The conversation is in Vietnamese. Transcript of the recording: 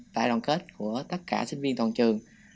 tại đoàn kết của tất cả sinh viên toàn trường